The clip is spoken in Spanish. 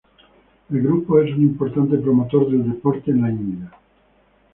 El grupo es un importante promotor del deporte en la India.